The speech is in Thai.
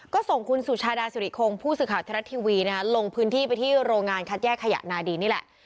ก็ส่งคุณสุชาดาสุริคงผู้สื่อข่าวไทยรัฐทีวีลงพื้นที่ไปที่โรงงานคัดแยกขยะนาดีนี่แหละ